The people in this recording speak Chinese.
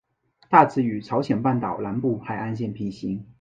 大致与朝鲜半岛南部海岸线平行。